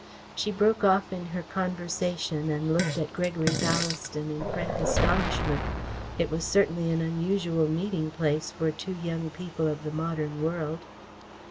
She broke off in her conversation and looked at Gregory Ballaston in frank astonishment. It was certainly an unusual meeting place for two young people of the modern world.